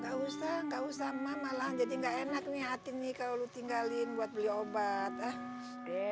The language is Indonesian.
nggak usah nggak usah mama malah jadi enggak enak nih hati nih kalau tinggalin buat beli obat deh